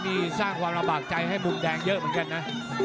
นี่สร้างความระบากใจให้มุมแดงเยอะเหมือนกันนะ